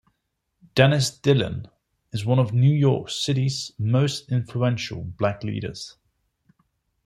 Dennis Dillon is one of New York City's most influential black leaders.